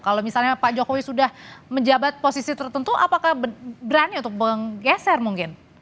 kalau misalnya pak jokowi sudah menjabat posisi tertentu apakah berani untuk menggeser mungkin